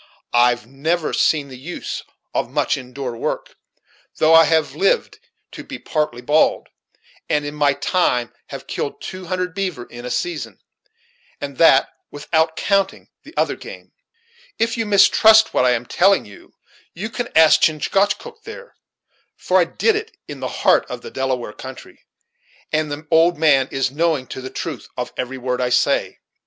I've never seen the use of much in door work, though I have lived to be partly bald, and in my time have killed two hundred beaver in a season, and that without counting the other game. If you mistrust what I am telling you, you can ask Chingachgook there, for I did it in the heart of the Delaware country, and the old man is knowing to the truth of every word I say."